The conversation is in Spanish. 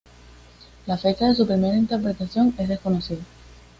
La fecha de su primera interpretación es desconocida.